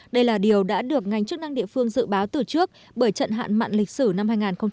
đây là điều đã được ngành chức năng địa phương dự báo từ trước bởi trận hạn mặn lịch sử năm hai nghìn một mươi sáu